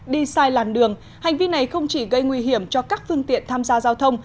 đi sai làn đường hành vi này không chỉ gây nguy hiểm cho các phương tiện tham gia giao thông